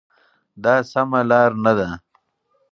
دا سمه لار نه ده.